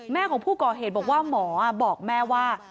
แม่ของผู้ก่อเหตุบอกว่าหมอบอกแม่ว่า